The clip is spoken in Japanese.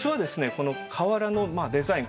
この瓦のデザイン